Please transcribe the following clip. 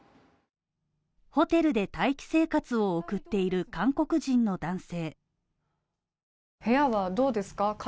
ホテルで待機生活を送っている韓国人の男性。